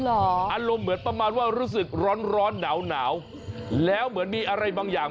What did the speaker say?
อารมณ์เหมือนประมาณว่ารู้สึกร้อนร้อนหนาวแล้วเหมือนมีอะไรบางอย่าง